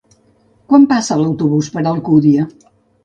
Quan passa l'autobús per Alcúdia?